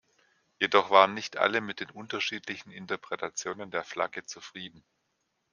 Jedoch waren nicht alle mit den unterschiedlichen Interpretationen der Flagge zufrieden.